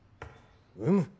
うむ。